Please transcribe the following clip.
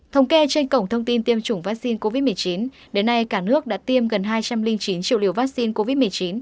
thống kê trên cổng thông tin tiêm chủng vaccine covid một mươi chín đến nay cả nước đã tiêm gần hai trăm linh chín triệu liều vaccine covid một mươi chín